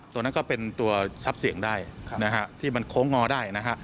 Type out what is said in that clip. ตัวนั้นก็เป็นตัวซับเสียงได้ที่มันโค้งงอได้